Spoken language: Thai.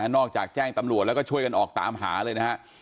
นอกจากแจ้งตำรวจแล้วก็ช่วยกันออกตามหาเลยนะฮะ